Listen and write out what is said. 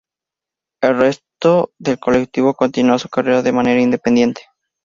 El resto del colectivo continúa su carrera de manera independiente.